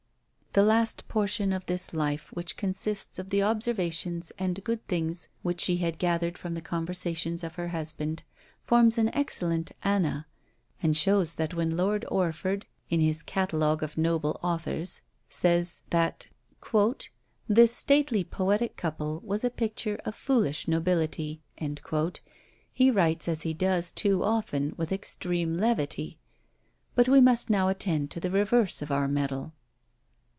The last portion of this life, which consists of the observations and good things which she had gathered from the conversations of her husband, forms an excellent Ana; and shows that when Lord Orford, in his "Catalogue of Noble Authors," says, that "this stately poetic couple was a picture of foolish nobility," he writes, as he does too often, with extreme levity. But we must now attend to the reverse of our medal.